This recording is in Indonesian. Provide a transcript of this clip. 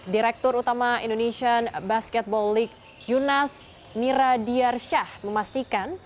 direktur utama indonesian basketball league yunas miradiarsyah memastikan